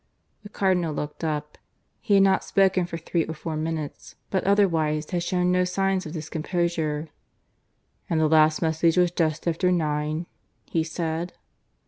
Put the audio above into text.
The Cardinal looked up. He had not spoken for three or four minutes, but otherwise had shown no signs of discomposure. "And the last message was just after nine?" he said.